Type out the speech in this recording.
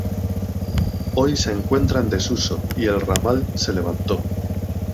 Hoy se encuentra en desuso, y el ramal se levantó.